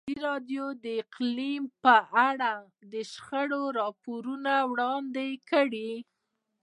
ازادي راډیو د اقلیم په اړه د شخړو راپورونه وړاندې کړي.